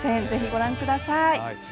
ぜひご覧ください。